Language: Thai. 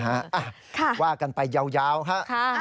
ค่ะค่ะค่ะค่ะค่ะว่ากันไปยาวค่ะ